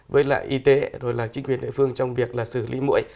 với lại y tế rồi là chính quyền địa phương trong việc là xử lý mũi